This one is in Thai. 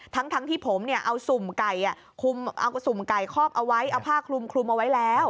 ทั้งที่ผมเอาสุ่มไก่คอบเอาไว้เอาผ้าคลุมเอาไว้แล้ว